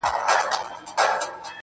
له خدای وطن سره عجیبه مُحبت کوي.